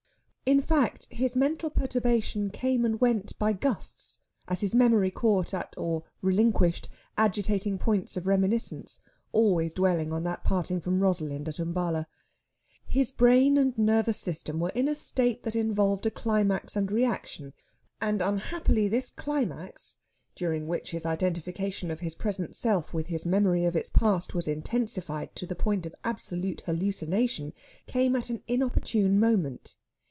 In fact, his mental perturbation came and went by gusts, as his memory caught at or relinquished agitating points of reminiscence, always dwelling on that parting from Rosalind at Umballa. His brain and nervous system were in a state that involved a climax and reaction; and, unhappily, this climax, during which his identification of his present self with his memory of its past was intensified to the point of absolute hallucination, came at an inopportune moment.